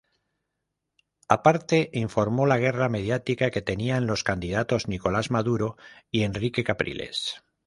Aparte, informó la guerra mediática que tenían los candidatos Nicolás Maduro y Henrique Capriles.